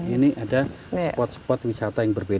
ini ada spot spot wisata yang berbeda